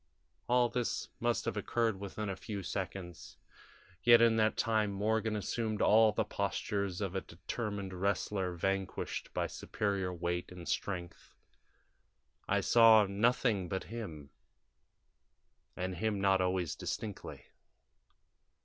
"All this must have occurred within a few seconds, yet in that time Morgan assumed all the postures of a determined wrestler vanquished by superior weight and strength. I saw nothing but him, and him not always distinctly.